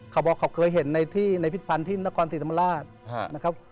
เขาบอกเขาเคยเห็นในพิษพันธ์ที่นครสิรษมราชนะครับ